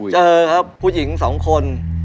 เจอครับผู้หญิงสองคน